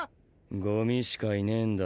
ゴミしかいねェんだ。